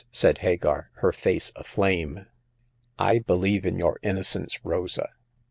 *' said Hagar, her face aflame, " I believe in your innocence, Rosa.